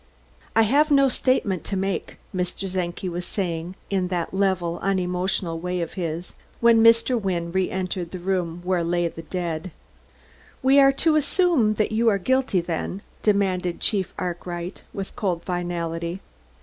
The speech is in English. "I have no statement to make," Mr. Czenki was saying, in that level, unemotional way of his, when Mr. Wynne reentered the room where lay the dead. "We are to assume that you are guilty, then?" demanded Chief Arkwright with cold finality.